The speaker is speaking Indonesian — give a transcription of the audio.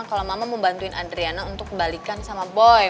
kalau mama mau bantuin adriana untuk kebalikan sama boy